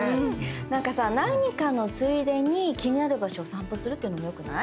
なんかさ何かのついでに気になる場所を散歩するっていうのもよくない？